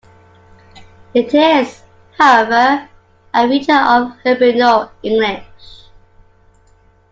It is, however, a feature of Hiberno-English.